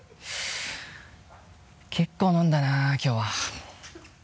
結構飲んだなきょうは。